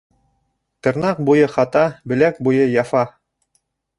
Тырнаҡ буйы хата, беләк буйы яфа.